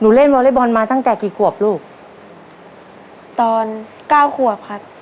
เล่นวอเล็กบอลมาตั้งแต่กี่ขวบลูกตอนเก้าขวบครับ